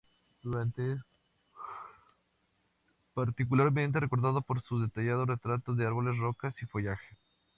Durand es particularmente recordado por sus detallados retratos de árboles, rocas y follaje.